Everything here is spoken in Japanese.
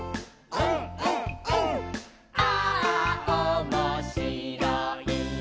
「ああおもしろい」